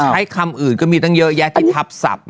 ให้คำอื่นก็มีตั้งเยอะแยะที่ทับศัพท์